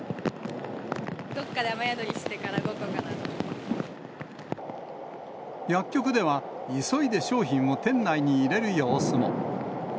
どっかで雨宿りしてから動こ薬局では、急いで商品を店内に入れる様子も。